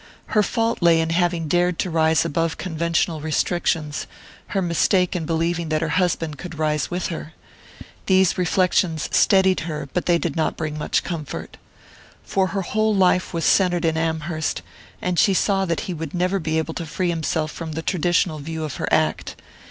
Her fault lay in having dared to rise above conventional restrictions, her mistake in believing that her husband could rise with her. These reflections steadied her but they did not bring much comfort. For her whole life was centred in Amherst, and she saw that he would never be able to free himself from the traditional view of her act.